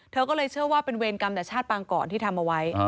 เธอก็เลยเชื่อว่าเป็นเวรกรรมแต่ชาติปางก่อนที่ทำเอาไว้